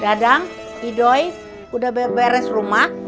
dadang idoi udah beres rumah